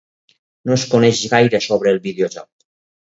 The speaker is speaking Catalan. No es coneix gaire sobre el videojoc.